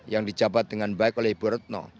yang dijabat dengan baik oleh ibu retno